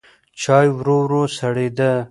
چای ورو ورو سړېده.